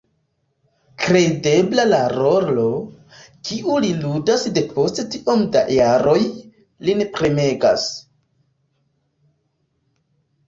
Kredeble la rolo, kiun li ludas depost tiom da jaroj, lin premegas.